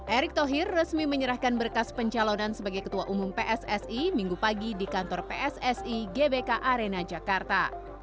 erick thohir resmi menyerahkan berkas pencalonan sebagai ketua umum pssi minggu pagi di kantor pssi gbk arena jakarta